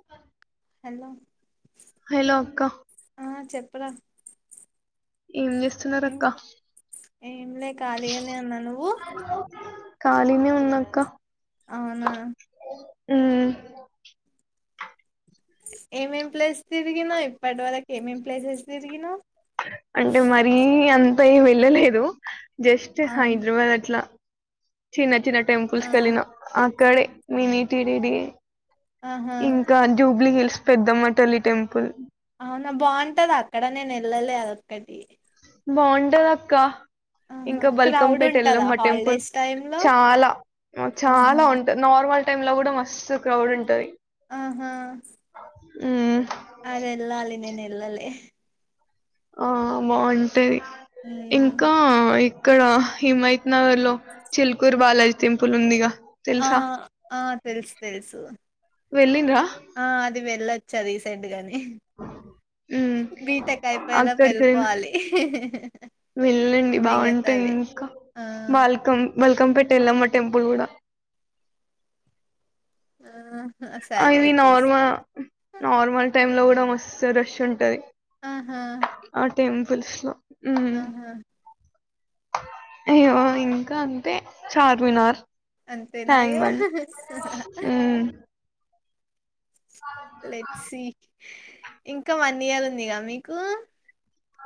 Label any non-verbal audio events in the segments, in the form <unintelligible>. ఆహ్. హలో. అక్క ఏం చేస్తున్నారు అక్క ఇంకా ఏంలే ఖాళీగానే ఉన్నా నువ్వు కాలినే ఉన్నక్క అవునా ఉమ్ ఏమేం ప్లేస్ తిరిగినవ్ అనే ఇప్పటి వరకు ఏమేం ప్లేసెస్ తిరిగినవ్ అంటే మరీ అంత ఏం వెళ్ళలేదు జస్ట్ అవును హైదరాబాద్లా. చిన్న చిన్న ఆ టెంపుల్స్ కి వెళ్ళినా అక్కడే మినీటిడిడి. ఆహా ఇంకా జూబ్లీ హిల్స్ పెద్దమ్మతల్లి టెంపుల్. అవునా బాగుంటద అక్కడ నేను వెళ్ళలే అది ఒక్కటి. బాగుంటదాక్క. ఇంకా క్రౌడ్ బల్కంపేట ఉంటదా వెళ్ళమ్మ టెంపుల్ హాలిడేస్ టైమ్ లో చాలా ఆహా చాలా ఉంటంది నార్మల్ టైమ్ లో కూడా మస్తు క్రౌడ్ ఉంటది ఆహా ఉమ్ వేళలే ఆ బాగుంటది ఉమ్ ఇంకా ఇక్కడ హిమయత్ నగర్ లో చిల్కూరు బాలాజీ టెంపుల్ ఉందిగా ఆ తెలుసా ఆ తెలుసు తెలుసు వెళ్ళిండ్రా ఆ ది వెళ్ళొచ్చా రీసెంట్ గానే ఉమ్ బీటెక్ ఐపోయేలోపు అక్కడికి వెళ్ళిన వెళ్ళిపోవాలి వెళ్ళండి బాగుంటాయి మిగతావి ఇంకా ఆ బాలకం బల్కంపేట వేలమ్మ టెంపుల్ కూడా ఆ అవి నార్మ నార్మల్ టైమ్ లో కూడా మస్తు రష్ ఉంటది ఆహా టెంపుల్స్లో ఆహా అయ్యో హ్మ్. ఇంకా అంతే చార్మినార్ అంతేనా ట్యాంగ్ ఇగ బాండ్ మ్ లెట్ సీ ఇంకా వన్ ఇయర్ ఉందిగా మీకు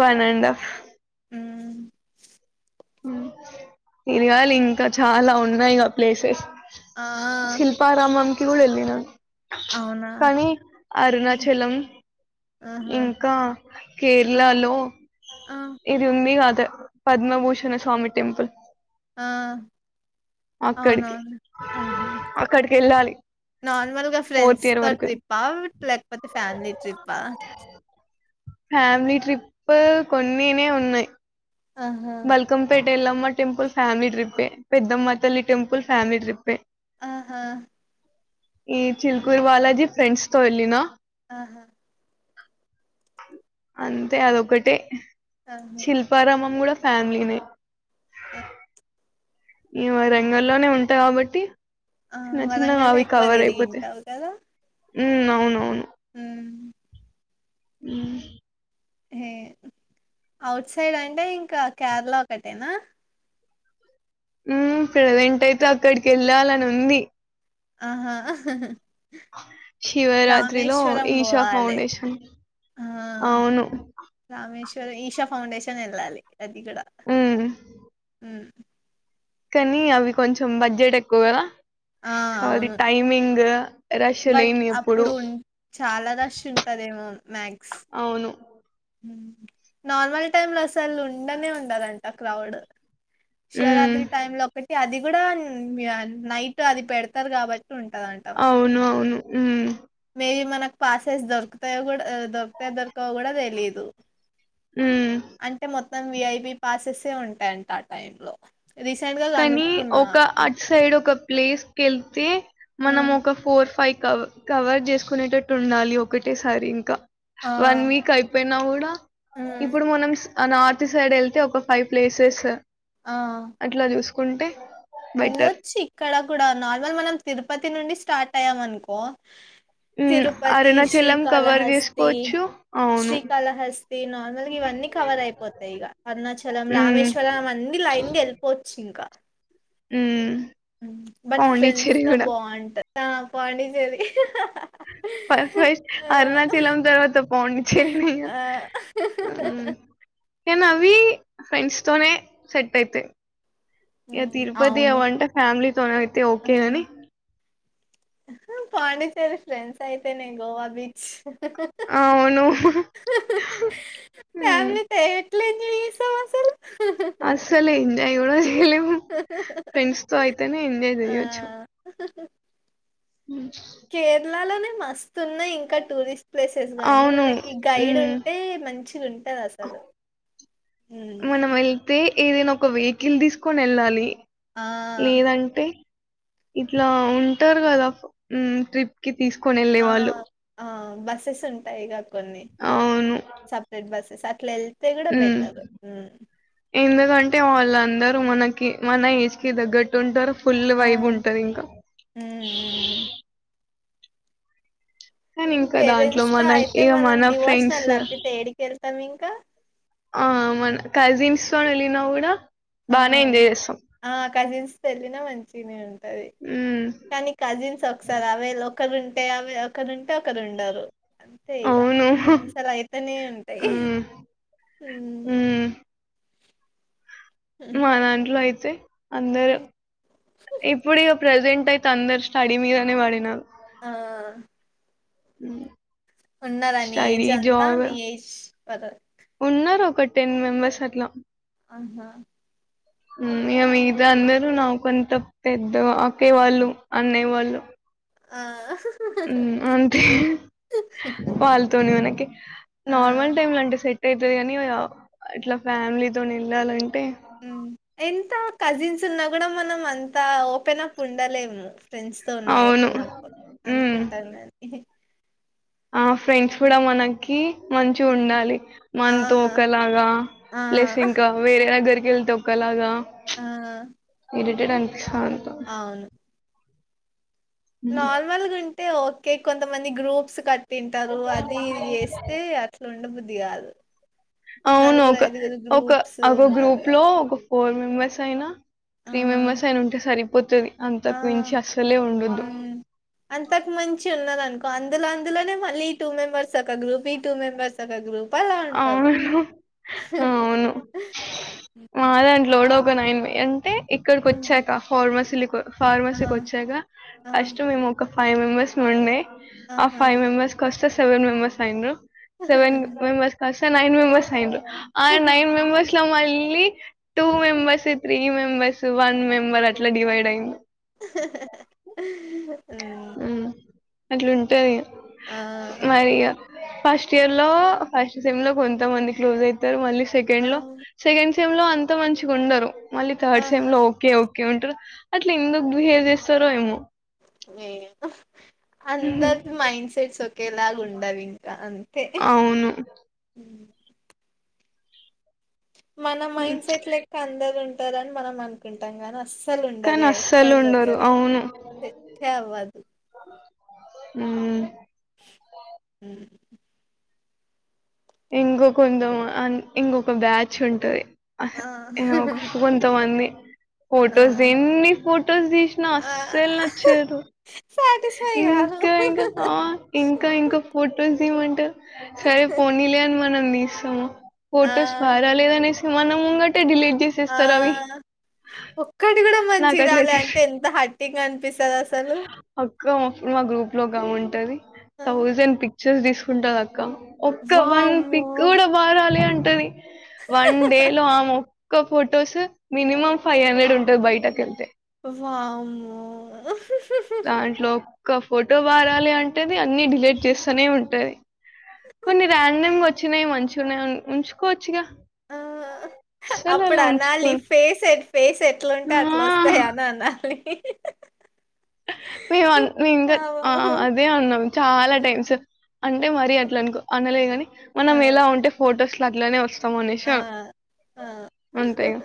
వన్ అండ్ ఆఫ్ హ్మ్. తిరగాలి ఇంకా చాలా ఉన్నాయిగా ప్లేసెస్ ఆ శిల్ప రామం కి కూడా వెళ్లినా అవునా కానీ హ్మ్. అరుణాచలం ఆహా ఇంకా ఆ కేరళ లో ఆ ఇది ఉంది గా పద్మభూషణ స్వామి టెంపుల్ ఆ అక్కడికి అవునవును అక్కడికి ఎళ్ళాలి నార్మల్ గా ఫ్రెండ్స్ తో ట్రిప్ప లేకపోతే ఫ్యామిలీ ట్రిప్ప ఫ్యామిలీ ట్రిప్ కొన్నినే ఉన్నాయి ఆహా బల్కంపేట ఎల్లమ్మ టెంపుల్ ఫ్యామిలీ ట్రిప్యే పెద్దమ్మ తల్లి టెంపుల్ ఫ్యామిలీ ట్రిప్పే ఆహా ఈ చిలుకూర్ బాలాజీ ఫ్రెండ్స్ తో వెళ్ళిన ఆహా అంతే అదొకటే ఆహా శిల్పారామం కూడా ఫ్యామిలీనే ఈ వరంగల్ లోనే ఉంటా కాబట్టి ఆ చిన్న చిన్నగా వరంగల్లో అవీ ఎక్కువ కావర్యిపోతే తిరిగింటావు అవునవును మ్ మ్ ఏ ఔట్ సైడ్ అంటే ఇంకా కేరళ ఒకటేనా ఉమ్ ప్రెజెంట్ అయితే అక్కడికి వెళ్ళాలని ఉంది. ఆహా శివరాత్ర్రిలో రామేశ్వరం ఈశా పోవాలి ఫౌండేషన్ ఆ అవును రామేశ్వరం ఈషా ఫౌండేషన్ ఏళ్ళాలి అది గుడా ఉమ్ కానీ అవి కొంచెం బడ్జెట్ ఎక్కువ గదా ఆ! సో అది అవును. టైమింగ్ రష్ బట్ లేని ఎప్పుడు అప్పుడు ఉంట్ చాలా రష్ ఉంటదేమో మ్యాక్స్ అవును నార్మల్ టైమ్ లో అసలు ఉండనే ఉండదంట క్రౌడ్ ఉమ్ శివరాత్రి టైం లో ఒకటి అది గూడ మి నైట్ అది పెడతారు కాబట్ ఉంటదంట మరి అవును అవును ఉమ్ మేయి మనక్ పాసెస్ దొరుకుతయో గూడ ఆ దొరుకతాయో దొరకవొ గూడ తెలీదు ఉమ్ అంటే మొత్తం విఐపి పాసెస్సే ఉంటాయంట ఆ టైం లో రీసెంట్ గా కానీ కనుక్కున్నా ఒక అట్ సైడ్ ఒక ప్లేస్ కి వెళ్తే మనం హ్మ్ ఒక ఫోర్ ఫైవ్ కవ కవర్ చేసుకునేటట్టు ఉండాలి ఒకటేసారి ఇంకా ఆ వన్ వీక్ అయిపోయినా గుడా హ్మ్ ఇప్పుడు మనం స్ ఆ నార్త్ సైడ్ వెళ్తే ఒక ఫైవ్ ప్లేసెస్ ఆ ఇట్లా చూసుకుంటే బెటర్ వెళ్ళొచ్చు ఇక్కడ కూడా నార్మల్ మనం తిరుపతి నుండి స్టార్ట్ అయ్యాం అనుకో ఉమ్ తిరుపతి అరుణాచలం కవర్ శ్రీకాళహస్తి చేసుకోవచ్చు అవును శ్రీకాళహస్తి నార్మల్ ఇ వన్నీ కవర్ అయిపోతాయి ఇగ. అరుణాచలం ఉమ్ రామేశ్వరం అవన్నీ లైన్ గ ఎల్పోవచ్చు ఇంకా ఉ బట్ ఫ్రెండ్స్ తో బాగుంటది. ఆ పాండి చేది హ హ పర్ఫెక్ట్ అరుణాచలం తర్వాత పాండి చెర్రీనే గ ఆ కానీ అవి ఫ్రెండ్స్ తోనే సెట్ అయితయి ఇగ ఉమ్, తిరుపతి అవును అవంటే ఫ్యామిలీతోనే అయితే ఓకే ఆహా! గాని పాండిచ్చేరి ఫ్రెండ్స్ అయితేనే గోవా బీచ్ అవును ఉ లెన్ని ఎస్తం అసలు అస్సలే ఎంజాయ్ గూడ చే లెవ్వు ఫ్రెండ్స్ తో అయితేనే ఎంజాయ్ ఆ! చెయ్యొచ్చు కేరళలోనే మస్తు ఉన్నాయి ఇంకా టూరిస్ట్ ప్లేసెస్ గానీ అవును మనకి గైడ్ హ్మ్ ఉంటే మంచిగ ఉంటది అసలు మనమ్ ఎళ్తే ఏదైనా ఒక వెహికల్ తీసుకొని వెళ్ళాలి ఆ! లేదంటే ఇట్లా ఉంటారు గదా మ్ ట్రిప్ కి తీసుకొని ఏళ్ళే వాళ్ళు బస్సెస్ ఉంటాయి గ కొన్ని అవును సపరేట్ బస్సెస్ అట్లా ఎల్ తే గూడ బెటర్ కంటే వాళ్ళందరూ మనకి మన ఏజ్ కి దగ్గట్టు ఉంటరు. ఫుల్ ఆ! వైబ్ ఉంటది ఇంకా హ్మ్. హ్మ్. కానీ ఇంకా దాంట్లో పేరెంట్స్ తో మన అయితే ఇగ మనం మన ఫ్రెండ్స్ డివోషనల్ తప్పితే ఏడీకి వెళ్తాం ఇంకా ఆ మన కజిన్స్ తో వెళ్ళినా గూడ బానే ఆ! ఎంజాయ్ చేస్ ఆ కజిన్స్ తో ఎల్లిన మంచిగ నే ఉంటది. ఉమ్ కానీ కజిన్స్ ఒకసారి అవేల్ ఒకరుంటే అవె ఒకరుంటే ఒకరు ఉండరు. అంతే ఇగ అవును క్యాన్సల్ అయితేనే ఉంటాయి ఉమ్ హుమ్ ఉమ్ మా దాంట్లో అయితే అందరు ఇప్పుడు ఇగ ప్రజెంట్ అయితే త అందర్ స్టడీ మీదనే పడినారు ఆ ఉమ్ వుండదండి నీ ఏజ్ ఎంత నీ ఏజ్ పదక్ ఉన్నారు ఒక టెన్ మెంబెర్స్ అట్లా ఆహా ఉ ఇక మీద అందరూ నా కొంత పెద్ద అక్కయ్ వాళ్ళు అన్నే వాళ్ళు ఆ ఉమ్ అంతే వాళ్ళతోని మనకి ఆ నార్మల్ టైమ్ లో అంటే సెట్ అయితది కాని అట్లా ఫ్యామిలీతోని వేళల అం ఉ ఎంత కజిన్స్ ఉన్నా కూడా మనం అంత ఓపెన్ అప్ ఉండలేము ఫ్రెండ్స్ తో ఉన్నా అవును. ఓపెన్ అప్ హ్మ్. అనుకుంటామ్ గాని ఆ ఫ్రెండ్స్ కూడా మనకి మంచి ఆ ఉండాలి ఆ మన తో ఒకలాగా ఆ ప్లస్ ఇంకా వేరే దగ్గరి కేళ్త ఒకలాగా ఆ ఇరిటేట్ అనిపిస్త అవును నార్మల్గా ఉంటే ఓకే కొంతమంది గ్రూప్స్ కట్ తింటారు అది ఇది చేస్తే అట్లు ఉండ బుద్ది కాదు అవును నలుగురు ఒక ఐదుగురు ఒక గ్రూప్స్ ఒక గ్రూప్ ఉంటారుగా లో ఫోర్ మెంబెర్స్ అయినా ఆ త్రీ మెంబెర్స్ అయిన ఉంటే సరిపోతది ఆ అంతకుమించి అసలే ఉండదు ఉమ్. అంతకు మించి ఉన్నదనుకో అందులో అందులోనే మళ్ళీ ఈ టూ మెంబర్స్ ఒక గ్రూ ఈ టూ మెంబర్స్ ఒక గ్రూప్ ప్పలా అంటారు అవును. అవును. ఓపెన్ అయింది అంటే ఇక్కడికి వచ్చాక ఫార్మసిలి ఆ ఫార్మసీకి వచ్చాక ఆ ఫస్ట్ మేము ఒక ఫైవ్ మెంబెర్స్ ఉండే ఆ ఆహా ఫైవ్ మెంబర్స్ కస్తే సెవెన్ మెంబర్స్ అయిన్ర సెవెన్ మెంబర్స్ కాస్త నైన్ మెంబెర్స్ అయిన్ర ఆ నైన్ మెంబెర్స్ లో మళ్ళీ two members three three members one member అట్లా డివైడ్ అయింది ఉమ్, ఉ అట్లుంటదిగ ఆ మరీగా ఫస్ట్ ఇయర్ లో ఫస్ట్ సెమ్ లో కొంతమంది క్లోజ్ అయితరూ మళ్ళీ ఆ సెకండ్ లో సెకండ్ సెమ్ లో అంత మంచిగా ఉండరు మళ్ళీ థర్డ్ ఆహా సెమ్ లో ఓకే ఓ కే ఉంటారు అట్లా ఎందుకు బిహేవ్ చేస్తారో ఏమో ఏ అందరి మైండ్ సెట్స్ ఒకేలాగా ఉండవు ఇంకా అంతే అవును ఉ మన ఉమ్. మైండ్ సెట్ లెక్క అందరు ఉంటారని మనం అనుకుంటాం గాని అస్ సలు కానీ ఉండరు అస్సలు కద క ఉండరు క్వదు అవును ఒకర్ ఒకరిది <unintelligible> ఉమ్ ఉమ్. ఇంకో కొంద మా ఇంకొక బ్యాచ్ ఉంటది ఆ కొంతమంది ఆ ఫొటోస్ ఎన్ని ఫో టోస్ తీసిన ఆ అసల్ నచదు సాటిస్ఫై కాదు ఇంకా ఇంకా ఆ ఇంకా ఇంకా ఫొటోస్ తీమంటారు సరే పోనీలే అని మనందిస్తాము ఆ ఫొటోస్ బరలేదనేసి మన ముంగటె డిలీట్ ఆ చేసేస్తారు అవి ఒక్కటి కూడా మంచి నాకు అట్లా రాలే చేసి అంటే ఎంత హట్టింగ్ అన్ పిస్తది అసలు క్వ మా గ్రూప్ లో గామే ఉంటది ఆ. థౌజండ్ పిక్చర్స్ తీసుకుంటాది అ క ఒక్క వన్ వామ్మో పిక్ కూడా బారాలె అంటది వన్ డే లో ఆ ఒక్క ఫొటోస్ మినిమం ఫైవ్ హండ్రెడ్ ఉంటది బయటకు వెళ్తే వామ్మో దాంట్లో ఒక్క ఫోటో బాగారాలే అంటది అన్ని డిలీట్ చేస్తనే ఉంటది కొన్ని ర్యాండమ్ గా వచ్చినాయి మంచిగనే ఉన్నయి ఉంచుకోవచ్చుగా ఆ అస్సలు అప్పుడు అలా అనాలి ఉంచుకోరు. ఫేస్ ఫేస్ ఎట్లుంటే ఆ! అట్లా వస్తాయని అనాలి మేము మే ఇంకా ఆ అదే అన్నం చాలా టైమ్స్ అంటే మరీ అట్లా అనుకో అనలేగాని ఆ మనం ఎలా ఉంటే ఫొటోస్ల అట్లనే వస్ స్తం అనేషి ఆ అంతే ఇగ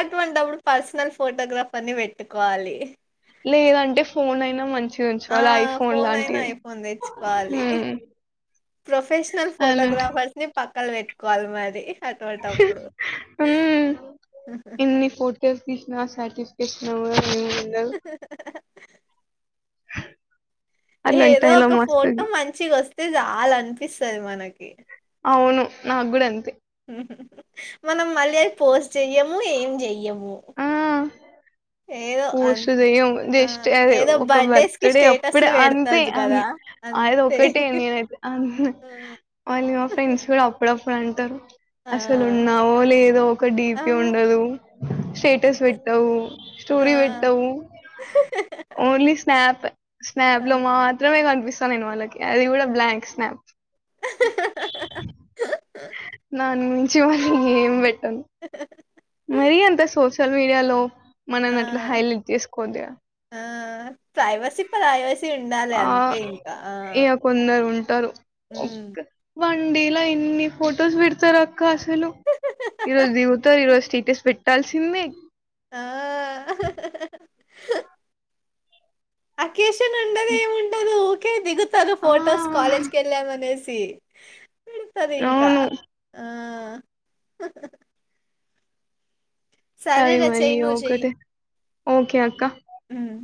అటువంటప్పుడు పర్సనల్ ఫోటోగ్రాఫర్ని పెట్టుకోవాలి లేదంటే ఫోన్ అయినా మంచి చ ఆ ఉంచుకోవాలి ఐఫోన్ ఫోన్ అయినా లాంటివి ఐఫోన్ తెచ్చుకోవాలి ఉమ్ ప్రొఫెషనల్ ఫోటోగ్రాఫర్స్ ని పక్కల పెట్టుకోవాలి మరి అటువంటప్పుడు ఉమ్ ఎన్ని ఫోటోస్ ఇష్ తీసిన నా సాటిస్ఫాక్షన్ ఓ అలాంటి ఏదో టైమ్‌లో ఒక మస్తు ఫోటో మంచిగా వస్తే చాలనిపిస్తది మనకి అవును నాకు గుడ అంతే మనం మళ్ళీ అ పోస్ట్ చెయ్యము ఏం చెయ్యము ఏదో అన్ పోస్టు చేయం ఆ జస్ట్ అది ఏదో ఒక బర్త్డేస్ కి బర్త్డే అప్పుడే స్టేటస్లు అంతే పెడతారు అ కదా అది అంతే ఒక్కటే నేనైతే అ మళ్ళీ మా ఫ్రెండ్స్ కూడా అప్పుడప్పుడు ప్పుడ అంటారు ఆ అసలు ఉన్నావో లేదో ఒక ఆ ఆ డిపీ ఉండదు స్టేటస్ పెట్టవు ఆ స్టోరీ పెట్టవు ఓన్లీ స్నాప్ ఆ స్నాప్ లో మాత్రమే కనిపిస్తా నేను వాళ్ళకి అది కూడా బ్లాంక్ స్నాప్ దాని నుంచి మళీ ఏం పెట్ అం మరి అంత సోషల్ మీడియాలో ఆ! మనని అట్లా హైలైట్ చేసుకోవద్దు గా ప్రైవసి ప్రైవసి ఆ ఇగ కొందరుంటారు హ్మ్ వన్డేలా ఇన్ని ఫొటోస్ పెడతారు అక్క అసలు ఈ రోజు దిగుతరు ఈ రోజు స్టేటస్ పెట్టాల్సిందే ఆ అకేషను మ్ ఊకే దిగుతారు ఫొటోస్ కాలేజ్కెళ్ళామానేసి పెడతరు ఇంకా అవును ఆ అది సరేరా మళ్ళి చెయ్యి ఒకటే ఓకే అక్క ఉమ్